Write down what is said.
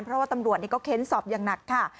เพราะว่าตำรวจก็เค้นสอบอย่างหนักค่ะ